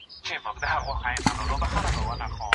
ایا د ناتاشا او اندرې مینه پایله لرله؟